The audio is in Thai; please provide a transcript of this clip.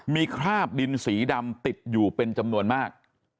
มีคราบดินสีดำติดอยู่เป็นจำนวนมาก